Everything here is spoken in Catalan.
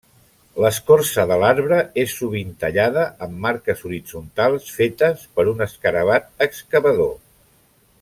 L'escorça de l'arbre és sovint tallada amb marques horitzontals fetes per un escarabat excavador.